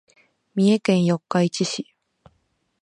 三重県四日市市